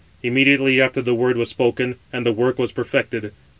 Immediately after the word was spoken, and the work was perfected.